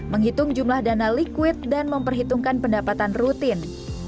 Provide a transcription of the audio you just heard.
menghitung jumlah dana liquid dan memperhitungkan pendapatan rutin